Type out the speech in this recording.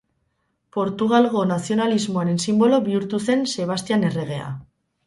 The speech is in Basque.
Portugalgo nazionalismoaren sinbolo bihurtu zen Sebastian erregea.